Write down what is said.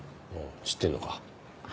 知ってるのか。